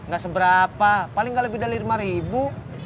gak seberapa paling nggak lebih dari lima ribu